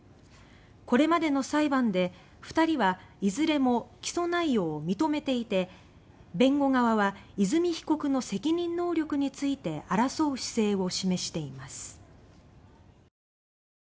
これまでの裁判で２人はいずれも起訴内容を認めていて弁護側は和美被告の責任能力について争う姿勢を示しています。